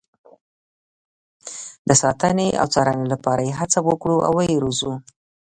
د ساتنې او څارنې لپاره یې هڅه وکړو او ویې روزو.